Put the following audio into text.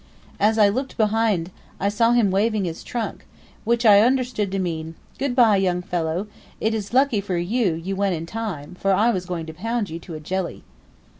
As I looked behind, I saw him waving his trunk, which I understood to mean, "Good bye, young fellow; it is lucky for you you went in time, for I was going to pound you to a jelly."